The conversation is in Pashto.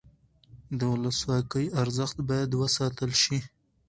د ولسواکۍ ارزښت باید وساتل شي